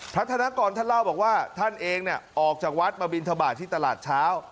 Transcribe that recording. ธนกรท่านเล่าบอกว่าท่านเองออกจากวัดมาบินทบาทที่ตลาดเช้า